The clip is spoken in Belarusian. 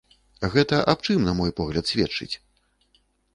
Гэта аб чым, на мой погляд, сведчыць?